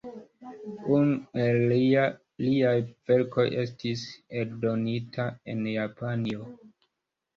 Unu el liaj verkoj estis eldonita en Japanio.